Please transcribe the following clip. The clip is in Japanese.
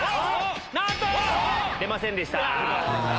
なんと‼出ませんでした。